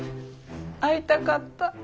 会いたかった。